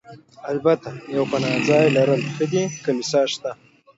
البته یو پناه ځای لرل ښه دي، کلیسا شته.